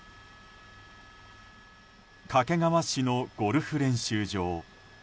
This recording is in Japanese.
掛川市のゴルフ練習場。